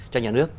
cho nhà nước